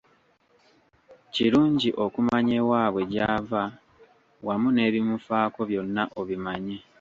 Kirungi okumanya ewabwe gyava wamu n’ebimufaako byonna obimanye.